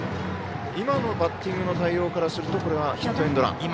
今のバッティングの対応からするとこれはヒットエンドラン。